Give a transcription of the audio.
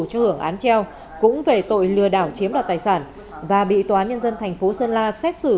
cho hưởng án treo cũng về tội lừa đảo chiếm đoạt tài sản và bị tòa nhân dân thành phố sơn la xét xử